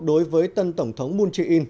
đối với tân tổng thống moon jae in